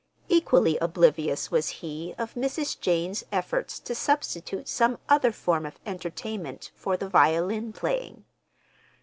Equally oblivious was he of Mrs. Jane's efforts to substitute some other form of entertainment for the violin playing.